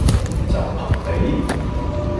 就憑你?